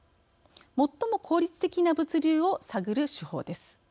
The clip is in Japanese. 最も効率的な物流を探る手法です。